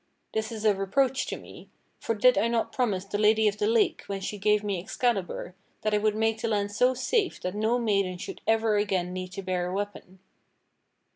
This is a reproach to me; for did not I promise the Lady of the Lake when she gave me Excalibur that I would make the land so safe that no maiden should ever again need to bear a weapon.